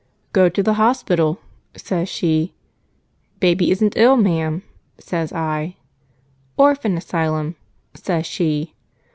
'Go to the Hospital,' says she. 'Baby isn't ill, ma'am,' says I. 'Orphan Asylum,' says she.